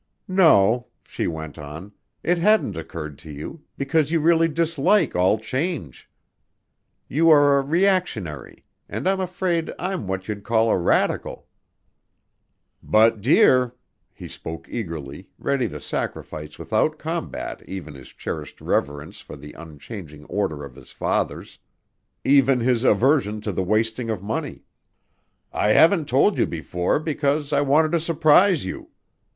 "No," she went on. "It hadn't occurred to you, because you really dislike all change. You are a reactionary ... and I'm afraid I'm what you'd call a radical." "But, dear " he spoke eagerly, ready to sacrifice without combat even his cherished reverence for the unchanging order of his fathers: even his aversion to the wasting of money "I haven't told you before because I wanted to surprise you.